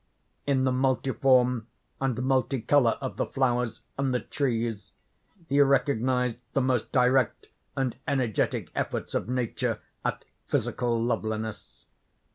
In the multiform and multicolor of the flowers and the trees, he recognised the most direct and energetic efforts of Nature at physical loveliness.